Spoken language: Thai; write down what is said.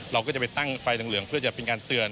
เราก็จะไปตั้งไฟเหลืองเพื่อจะเป็นการเตือน